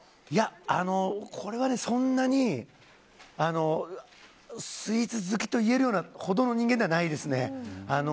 いや、これはそんなにスイーツ好きといえるほどの人間ではないですね。